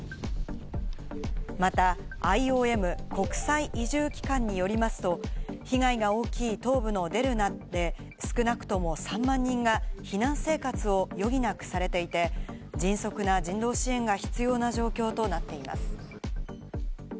また、ＩＯＭ＝国際移住機関によりますと、被害が大きい東部のデルナで、少なくとも３万人が避難生活を余儀なくされていて、迅速な人道支援が必要な状況となっています。